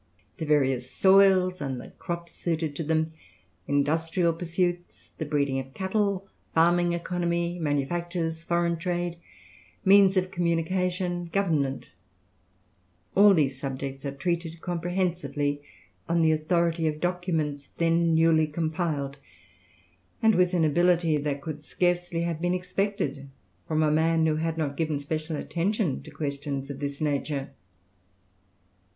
The various soils and the crops suited to them; industrial pursuits; the breeding of cattle; farming economy; manufactures; foreign trade; means of communication; government; all these subjects are treated comprehensively on the authority of documents then newly compiled, and with an ability that could scarcely have been expected from a man who had not given special attention to questions of this nature.